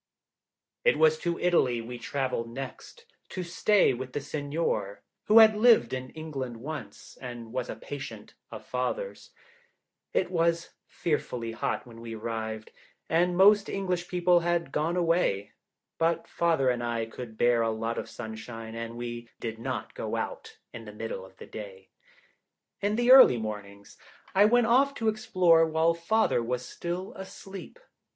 It was to Italy we travelled next, to stay with the Signor, who had lived in England once, and was a patient of Father's. It was fearfully hot when we arrived, and most English people had gone away; but Father and I could bear a lot of sunshine, and we did not go out in the middle of the day. In the early mornings I went off to explore while Father was still asleep.